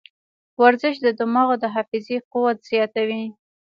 ورزش د دماغو د حافظې قوت زیاتوي.